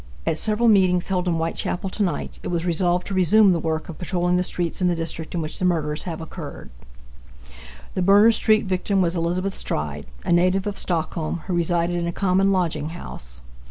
At several meetings held in Whitechapel to night it was resolved to resume the work of patrolling the streets in the district in which the murders have occurred. The Berners street victim was Elizabeth Stride, a native of Stockholm, who resided in a common lodging house.